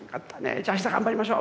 じゃあした頑張りましょう！